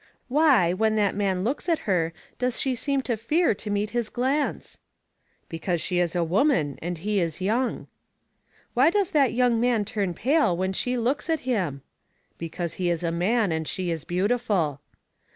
"Why, when that man looks at her, does she seem to fear to meet his glance?" "Because she is a woman and he is young." "Why does that young man turn pale when she looks at him?" "Because he is a man and she is beautiful."